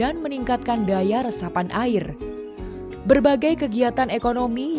untuk memaksimalkan upaya pelestarian air pemerintah daerah pun melakukan pembelian air